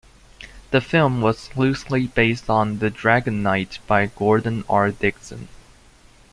The film was loosely based on "The Dragon Knight" by Gordon R. Dickson.